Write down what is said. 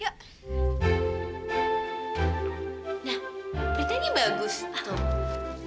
ya ampun prita aku pikir kamu tuh mau beli kado ate